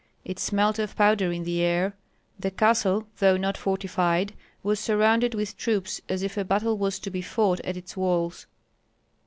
It smelt of powder in the air. The castle, though not fortified, was surrounded with troops as if a battle was to be fought at its walls.